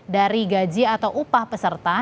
dari gaji atau upah peserta